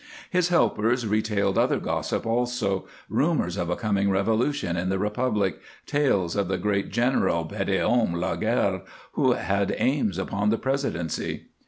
His helpers retailed other gossip also, rumors of a coming revolution in the Republic, tales of the great general, Petithomme Laguerre, who had aims upon the Presidency.